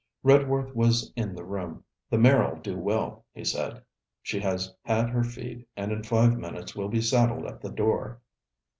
Redworth was in the room. 'The mare 'll do it well,' he said. 'She has had her feed, and in five minutes will be saddled at the door.'